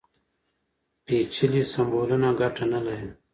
پېچلي سمبولونه ګټه نه لري.